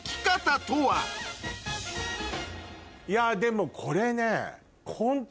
いやでもこれね。